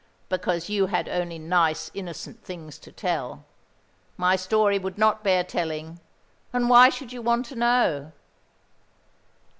"Because you had only nice innocent things to tell. My story would not bear telling and why should you want to know?"